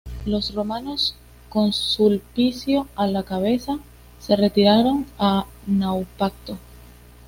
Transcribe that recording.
Los romanos, con Sulpicio a la cabeza, se retiraron a Naupacto.